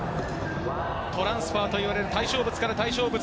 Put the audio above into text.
トランスファーといわれる対象物から対象物。